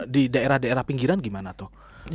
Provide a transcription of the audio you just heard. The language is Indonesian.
di daerah daerah pinggiran gimana tuh